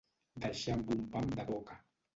Deixar amb un pam de boca.